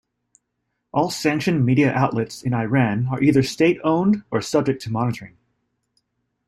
All sanctioned media outlets in Iran are either state-owned or subject to monitoring.